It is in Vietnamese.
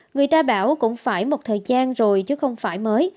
người ta bảo cũng phải một thời gian rồi chứ không phải mới